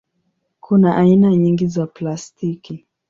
Kuna aina nyingi za plastiki.